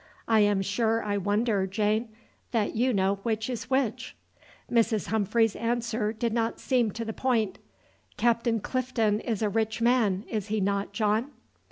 "I am sure I wonder, Jane, that you know which is which!" Mrs. Humphreys' answer did not seem to the point. "Captain Clinton is a rich man, is he not, John?"